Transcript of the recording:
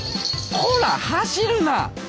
こら走るな！